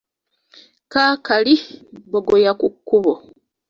Kaakali, bbogoya ku kkubo.